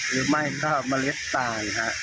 หรือไม่ค่ะเมล็ดตายนะครับ